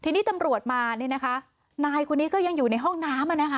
ทีนี้ตำรวจมานี่นะคะนายคนนี้ก็ยังอยู่ในห้องน้ำอ่ะนะคะ